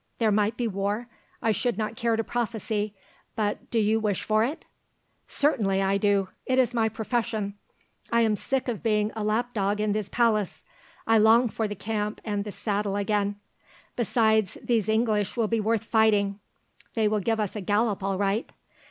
There might be war. I should not care to prophesy; but do you wish for it?" "Certainly I do; it is my profession. I am sick of being a lap dog in this palace; I long for the camp and the saddle again. Besides, these English will be worth fighting; they will give us a gallop all right.